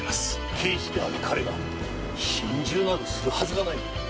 刑事である彼が心中などするはずがない。